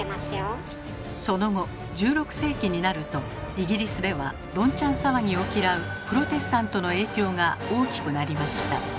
その後１６世紀になるとイギリスではどんちゃん騒ぎを嫌うプロテスタントの影響が大きくなりました。